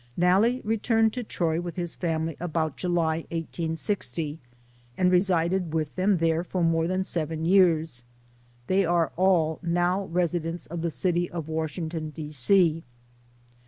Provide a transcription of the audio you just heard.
Nalle returned to Troy with his family about July, 1860, and resided with them there for more than seven years. They are all now residents of the city of Washington, D. C.